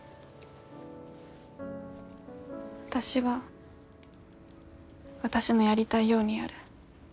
私は私のやりたいようにやる。